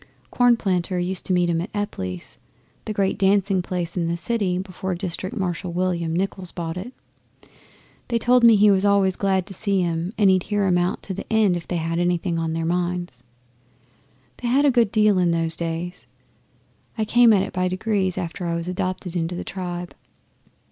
Cornplanter used to meet him at Epply's the great dancing place in the city before District Marshal William Nichols bought it. They told me he was always glad to see 'em, and he'd hear 'em out to the end if they had anything on their minds. They had a good deal in those days. I came at it by degrees, after I was adopted into the tribe.